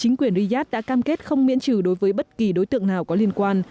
nguyễn riyad đã cam kết không miễn trừ đối với bất kỳ đối tượng nào có liên quan